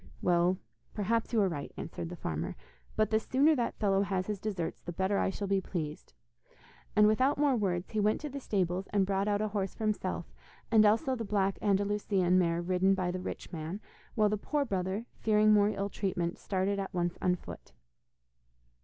'Well, perhaps you are right,' answered the farmer, 'but the sooner that fellow has his deserts, the better I shall be pleased,' and without more words he went to the stables and brought out a horse for himself and also the black Andalusian mare ridden by the rich man, while the poor brother, fearing more ill treatment, started at once on foot.